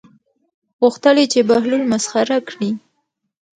غوښتل یې چې بهلول مسخره کړي.